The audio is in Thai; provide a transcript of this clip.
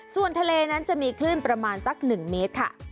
ส่วนทะเลนั้นจะมีคลื่นประมาณสัก๑เมตรค่ะ